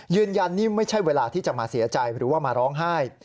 ยืนยันนี่ไม่ใช่เวลาที่จะมาเสียใจหรือว่ามาร้องไห้